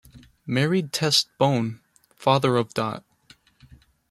Married Tess Bone, father of Dot.